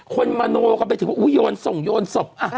มโนกันไปถึงว่าโยนส่งโยนศพ